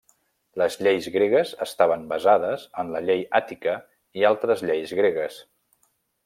Les lleis gregues estaven basades en la llei àtica i altres lleis gregues.